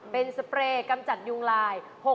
เป็นสเปรย์กำจัดยุงลาย